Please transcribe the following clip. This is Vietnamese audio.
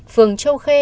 phường châu khê